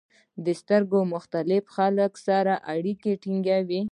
• سترګې د مختلفو خلکو سره اړیکه ټینګوي.